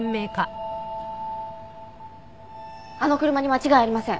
あの車に間違いありません。